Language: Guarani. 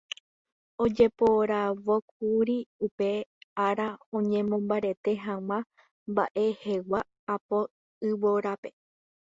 Ojeporavókuri upe ára oñemombarete hag̃ua mba'ejegua apo yvórape.